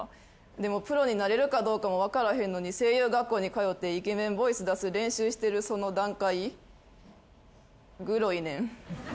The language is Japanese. でもプロになれるかどうかも分からへんのに声優学校に通ってイケメンボイス出す練習してるその段階グロいねん。